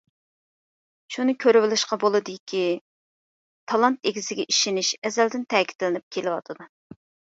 شۇنى كۆرۈۋېلىشقا بولىدىكى، تالانت ئىگىسىگە ئىشىنىش ئەزەلدىن تەكىتلىنىپ كېلىۋاتىدۇ.